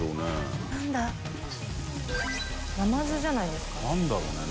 丸山）ナマズじゃないんですかね？